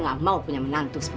kau masih ingin menikahkan aku